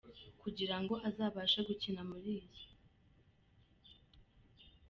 Kugira ngo azabashe gukina muri iyi.